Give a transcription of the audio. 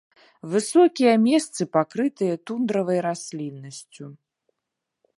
Высокія месцы пакрытыя тундравай расліннасцю.